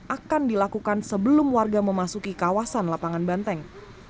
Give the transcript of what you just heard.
akan dilakukan sebelum warga memasuki kawasan lapangan banteng